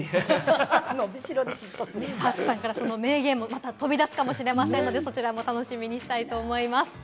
Ｐａｒｋさんからその名言も飛び出すかもしれませんのでそちらも楽しみにしたいと思います。